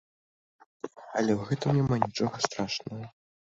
Але ў гэтым няма нічога страшнага.